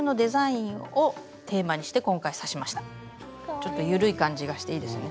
ちょっと緩い感じがしていいですね。